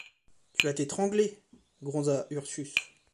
Tu vas t’étrangler, gronda Ursus.